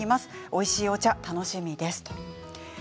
おいしいお茶、楽しみです。